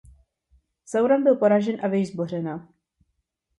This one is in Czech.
Sauron byl poražen a věž zbořena.